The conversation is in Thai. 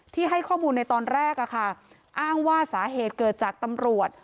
ให้ข้อมูลในตอนแรกอะค่ะอ้างว่าสาเหตุเกิดจากตำรวจ